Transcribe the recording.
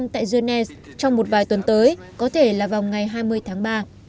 tại genes trong một vài tuần tới có thể là vòng ngày hai mươi tháng ba